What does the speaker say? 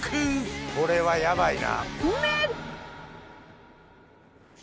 これはヤバいな。